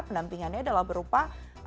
penampingannya adalah berupa